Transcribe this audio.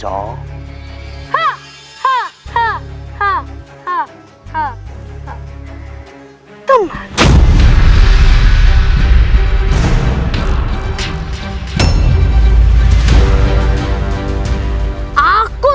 aku suka rencana itu